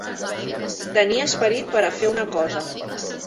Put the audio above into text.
Tenir esperit per a fer una cosa.